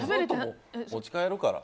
持ち帰るから。